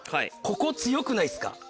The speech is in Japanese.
ここ強くないですか？